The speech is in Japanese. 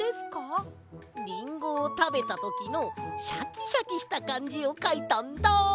リンゴをたべたときのシャキシャキしたかんじをかいたんだ！